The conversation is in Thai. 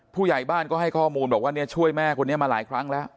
ผู้ใหญ่บ้านก็ให้ข้อมูลบอกว่าเนี่ยช่วยแม่คนนี้มาหลายครั้งแล้ว